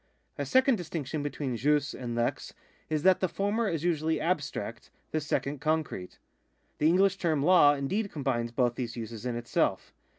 A second distinction between jus and lex is that the former is usually abstract, the second concrete.^ The English term law indeed combines both these uses in itself.